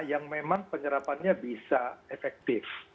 yang memang penyerapannya bisa efektif